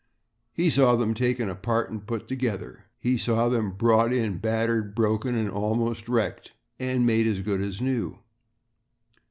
He saw them taken apart and put together, he saw them brought in battered, broken, almost wrecked, and made as good as new.